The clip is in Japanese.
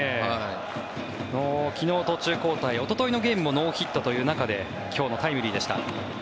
昨日、途中交代おとといのゲームもノーヒットという中で今日のタイムリーでした。